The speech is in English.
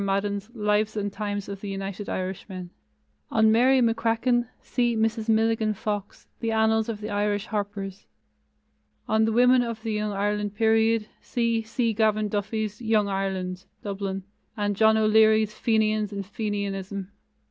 Madden's Lives and Times of the United Irishmen. On Mary McCracken, see Mrs. Milligan Fox, The Annals of the Irish Harpers. On the women of the Young Ireland period, see C. Gavan Duffy's Young Ireland (Dublin), and John O'Leary's Fenians and Fenianism.